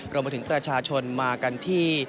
รวมถึงประชาชนมากันที่